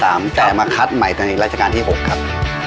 แต่มาคัดใหม่ในราชการที่๖ครับ